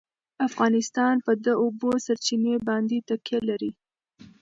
افغانستان په د اوبو سرچینې باندې تکیه لري.